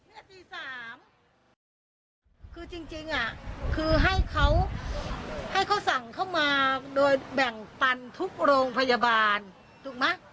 นี่ตี๓คือจริงอ่ะคือให้เขาสั่งเข้ามาโดยแบ่งปันทุกโรงพยาบาลถูกมั้ย